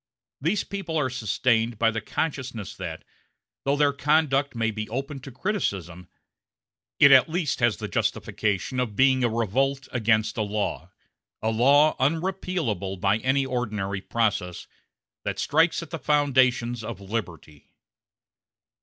These people are sustained by the consciousness that, though their conduct may be open to criticism, it at least has the justification of being a revolt against a law a law unrepealable by any ordinary process that strikes at the foundations of liberty.